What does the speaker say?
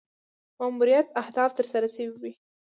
ماموریت اهداف تر سره سوي وای.